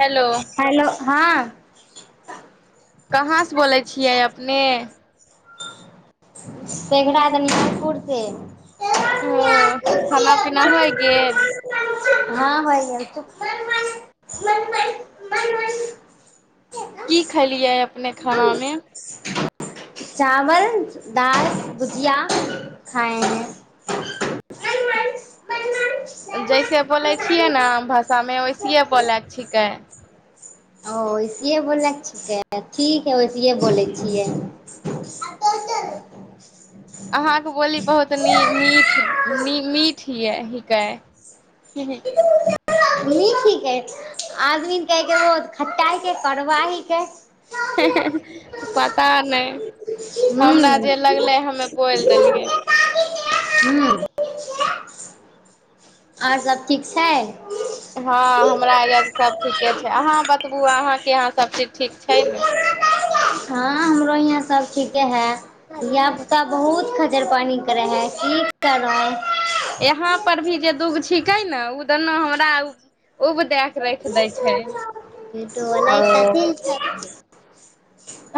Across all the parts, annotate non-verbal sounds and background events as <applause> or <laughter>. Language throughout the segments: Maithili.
हेलो हेलो हँं कहाँसँ बोलै छियै अपने सघड़ा झंझारपुर से ह खाना पीना होय गेल हँ भैया बन बन की खेलियै अपने खानामे चावल दाल भुजिया खाए ह जैसे बोलै छियै ने भाषा सममे वैसिए बोलै छिकै ओ वैसिे बोलै छिकै ठीक हइ वैसए बोलै छियै अहाँके बोली बहुत न मीठ मीठ य कए क <inaudible> नीक हिकै आदमी कहैके रो खट्टा हिके करबा हिकै हँ हँ ह पता नहि हूं हूं हमरा जे लगलै हमे बोलि देलियै आओर सभ ठीक छै हँ हमरा अजा सब ठीके छै अहाँ बतबू अहाँके यहाँ सबचीज ठीक छै ने हँ हमरो यहाँ सब ठीके है धिया पुता बहुतखट जर पानी करे हैं की कर रह यहाँ पर भी जे द दुख छिके ने उ दुनू हमरा उब दए के राख देै छै ओ कथी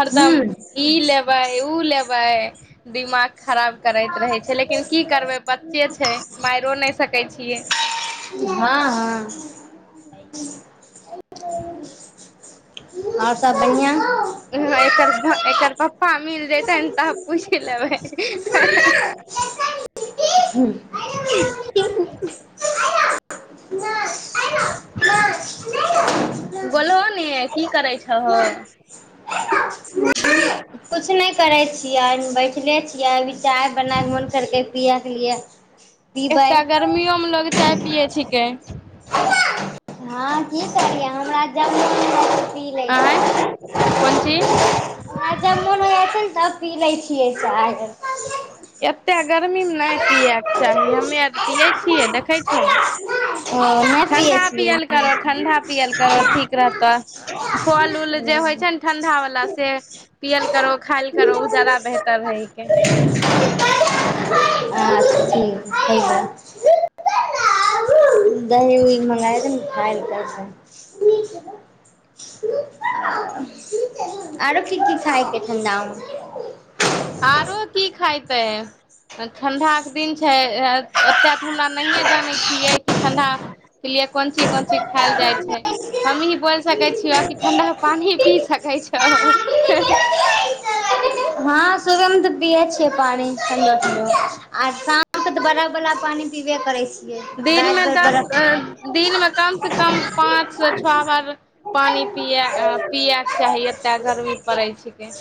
हरदम हूं ई लेबै ओ लेबै दिमाग खराब करैत रहै छै लेकिन की करबै प जे छै मारियओ नहि सकै छियै हँ हँ <unintelligible> आओर सभ बढ़िआँ एकर एकर पप्पा मिल जा तऽ ए त पूछ लबै हँ हह हू <inaudible> <unintelligible> बोलहो ने की करै छहो किछु नहि करै छियै बैठले छियै चाय बनाय के मन करके पिय पिय एकटा गर्मियोमे लोग चाय पियै छिकै हँ की कहलियै हमरा जब पी लिए आँय छिय कोन चीज आ जब मोन होया छै तब पी लै छियै चाय एतेक गर्मीमे नहि पियैके चाही हमे आर पियै छियै देखै छहो ठण्डा पियल करहो ठण्डा पियल करहो ओ ठीक रहतऽ फल उल जे होइ छै ने नहि ठंडा वाला से पियल करो खायल करो ओ ज्यादा पियए बेहतर रहै के छियै अच्छा ठीक दही उही मँगा लहिं आरो की की खाके ठणडा मे आरो की खायतै ठण्डाके दिन छै ओतेक तऽ हमरा नहिए जानै छियै कि ठडा क लिअ <inaudible> कोन चीज कोन चीज खायल जाइ छै हमी बोल सकै छिय कि ठंडा पानि पी सकै छ हँ सुबहमे तऽ पियए छियै पानि आर शामके तऽ बड़ा बलाा पानि पीबे करै छ दिनमे दस दिनमे कमसँ कम पाँचसँ छओ बरफ बार हँ पानि पियए पियैके चाही एतेक गर्मी पड़ै छिकै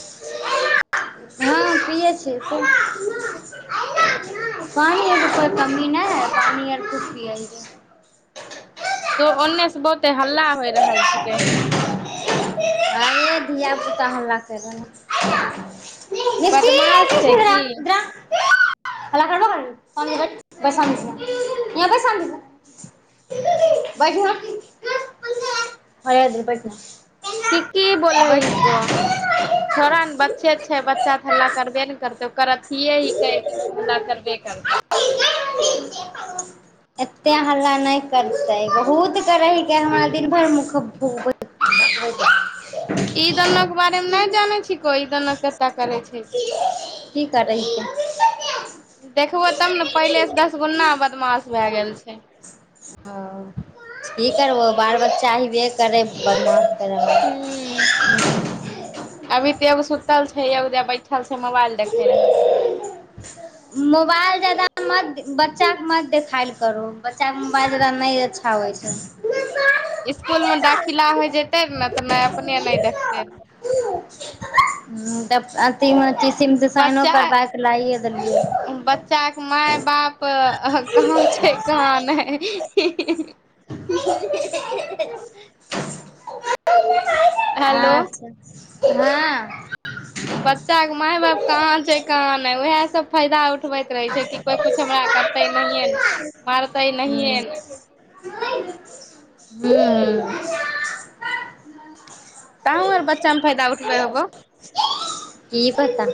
हँ पियै छियै पानि आरके कोइ कमी नहि हइ पानि तो ओन्ने से आर बहुते हल्ला होइ किछ रहल छिकै पियैै अ ये धियापुता हमरा करबै बदमाश छै की ऋषि करबैैैर बैठ <inaudible> की की बोल बैठ ह को छौड़ ने बच्चे अ छै बच्चा तऽ हल्ला करबे ने करतै ओकर अथिए हिके हल्ला करबे करतै एते हल्ला नहि करते बहुत करे ह के हमरा दिन भर ई दुनो के बारे मे नहि जानै छी कोई ठीक त छै से देखबो तब ने पहिले से दस गुना बदमाश भए गेल छै क करबहो बाल बच्चा हेबे करै प्र म हुँ अभी त बस बतल छै यऐ बैठल छै मोबाइल देखैत रहै मोबाइल जादा मत बच्चाके मत देखाय ल करू बच्चाके मोबाइल उ नहि अच्छा होइ छै इसकुल में दाखिला होय जते ने तऽ नहि अपने नहि देख ते तब अथीमे टीसीमे सँ साइनो बच्चा करबा कऽ लाइए देलियै बच्चाके माय बाप कहाँ छै कहाँ नहि हेलो अच्छा हँ बच्चाके माय बाप कहाँ छै कहाँ नहि उएहसभ फाायदा उठबैत रहै छै कि कोइ किछु हमरा हँ करतै नहिए ने मारतै नहिए हूँ ने तहूँ आर बच्चामे फायदा उठबै होबौ की पता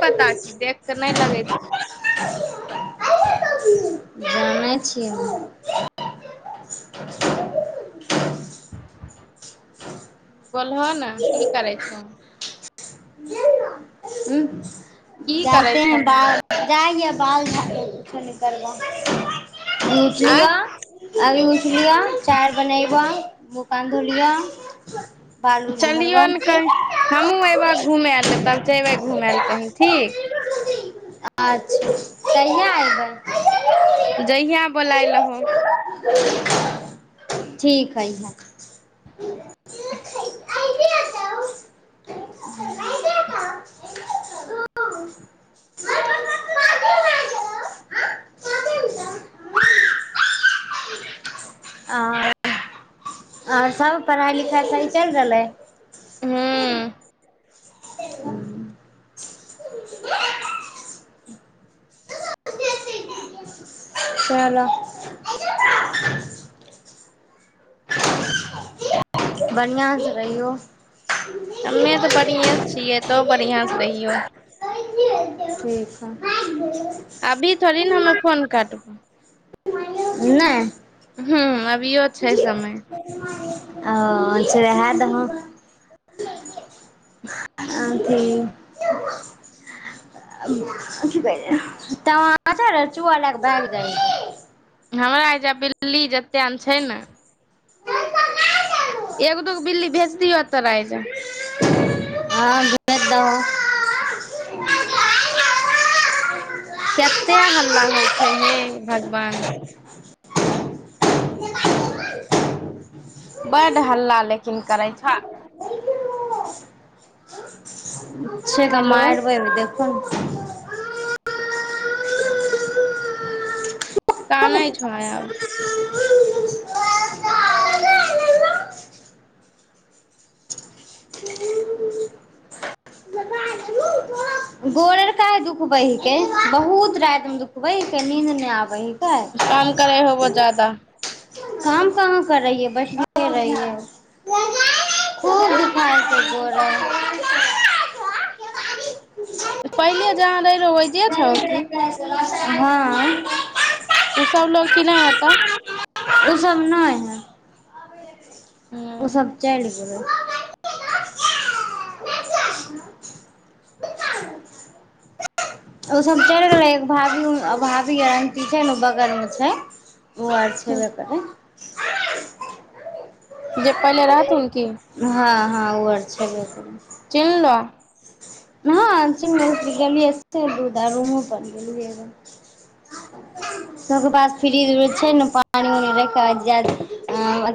की पता देख क नहि लगै छै आानै छियै हम बोलहो ने की करै छहो की करै जानते हैं छहो बाल जाएंगे बाल झारने करना <inaudible> उ आँय जिया आर <inaudible> पी चाय बनेैबऽ मुँह कान धो लिय चलियौ ने कहै हमहूँ अयबह घूम ले कते बेर घुमल कै की अच्छा कहियआ अयबै जहिया बोलाय लहो ठीक हइ इह आ आओर सब पढ़ाइ लिखाइ स ही चलि रहलै हूँ खयालह बढ़िआँसँ रहियौ हमे तऽ बढ़िएँसँ छियै तब बढ़िआँसँ रहियौ आ <inaudible> अभी थोड़ी ने हमे फोन काटब नहि हू हुँ भियओ छै समय अ जेहा य मन अथि- कहिय तचार चुआ ल क भ जाइ हमरा एहिजाँ बिल्ली जतेक ने छै ने ह एक दोगो बिल्ली भेज दियौ तऽज हँ भज दहो केतेक हल्ला होइ छै हे भगवान बड्ड हल्ला लेकिन करै छह छै गा हेलो आरबै दे <inaudible> हन <inaudible> तानय छौय आब ने गोड़ आर दुखबै हिके बहुत राति मे दुखबे हिके नीद नहि आबे हिके तंग करे होबो ज्यादा हमऽ हम कहाँ कर रहियै बैठले रहियै खूब दुखारसँ गोड़ै पहिले जहाँ रहे वैजहों छहो की हँ तूस उ लव ची नहि होत ओसभ नहि हइ ओ सबब चल ह <inaudible> ओसभ चलि गेलै एक भाभी भाभी रङक छै ने ओ बगलमे छै ओ आर छेबे करै जब पहिले रह त उ की हँ हँ ओ आओर छेबे करू चिलना <inaudible> हँ गेलियै आ रू गेलियै सभके पास फ्रीज उ्रज छै ने पानि राखथ लए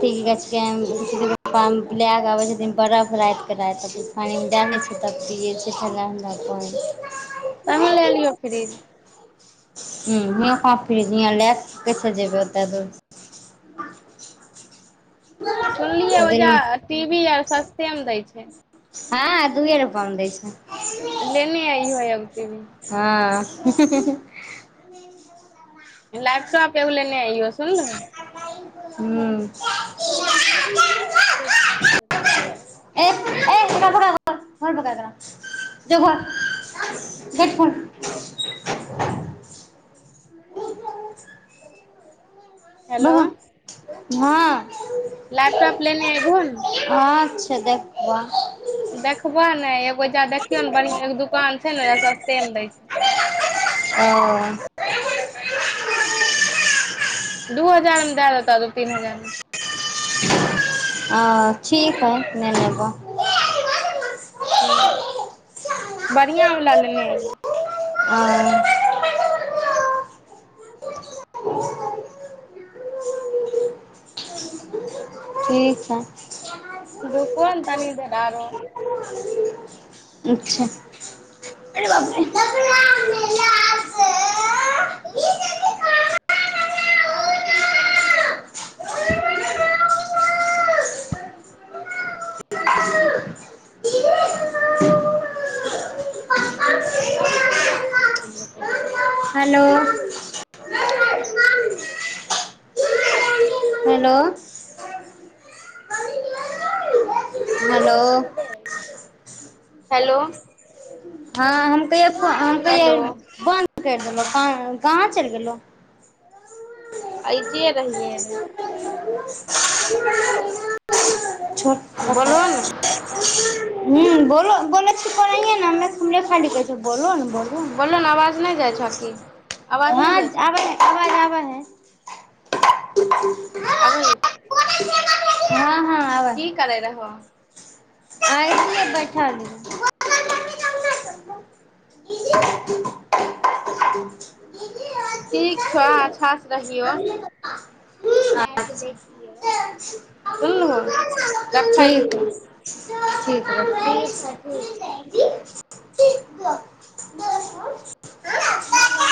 कऽ आबै छथिन बरफ राात कऽ रा पानमे जा नहि छै तब फ जेखनारा कोइ <inaudible> तहूँ लए लियौ फ्रिज हुँ हँ क फ लै कसे जेब ओतऽ दूर सुनलियै सब ओजाँ दिन टी वी आर सस्तेमे दै छै हँ दूए रूपा मे दै छै लेने आइ होय अगे भी हँ लैपटॉप एग ले ने यो सुनलहो ह्म त र ब ज हेडफोन <unintelligible> हेलो बगा हँ लैपटॉप लेने ए घन सधैपआ देखबह ने एगो जााँ देखियौ ने बढ़िआँ एगो दोकान छै ने ओ सस्तेमे दै छै ओ दू हजार मे दए देता तू तीन हजार मे ओ ठीक हइ ननेेबो ठीक बढ़िआँवला लेने अै आ <unintelligible> ठीक छैै रुक ने तनी देर आरो अच्छा अे ब <unintelligible> हेलो <unintelligible> <unintelligible> हेलो हँ हेलो त <unintelligible> हँ हम कहहिय हेलो तऽ बन्द करि देलहुँ गाँ चलि गेलहु अऐजे रहिये ने <unintelligible> छोट ह बोलहो ने बोल बो छी कोए नेरा घुमे खालटी कहै छै बोू बोलहो ने आवाज नहि जाइ छौ की आवाज नहि हँ आाज जाइ छौ आवाज है अबै हँ की करै रह आइलै बैठा ली <unintelligible> ठीक छौ अच्छासँ रहियौ बच्चा आरके देखियै सुनलहो ठीक ठीक ठीक है ठीक है।